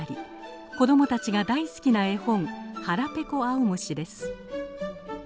子どもたちが大好きな絵本「はらぺこあおむし」です